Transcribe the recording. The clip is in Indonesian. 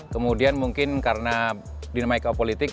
kemudian mungkin karena dinama ekopolitik